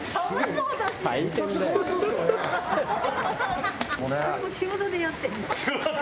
それも仕事でやってる？